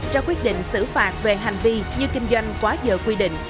cho quyết định xử phạt về hành vi như kinh doanh quá giờ quy định